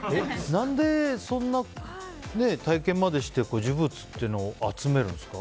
何でそんな体験までして呪物というのを集めるんですか。